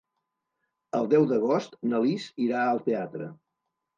El deu d'agost na Lis irà al teatre.